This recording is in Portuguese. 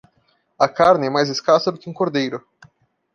A carne é mais escassa do que um cordeiro.